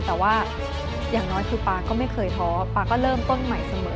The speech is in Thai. แต่ว่าอย่างน้อยคือป๊าก็ไม่เคยท้อป๊าก็เริ่มต้นใหม่เสมอ